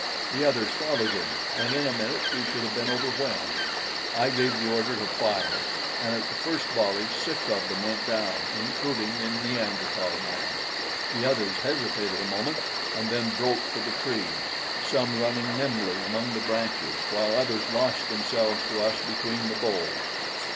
The others followed him, and in a minute we should have been overwhelmed. I gave the order to fire, and at the first volley six of them went down, including the Neanderthal man. The others hesitated a moment and then broke for the trees, some running nimbly among the branches, while others lost themselves to us between the boles.